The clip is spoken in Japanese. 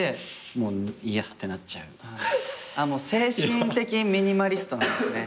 精神的ミニマリストなんですね。